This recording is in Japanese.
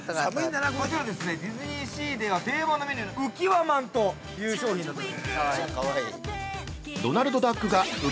こちらは、ディズニーシーでは定番のメニュー、「うきわまん」という商品になっております。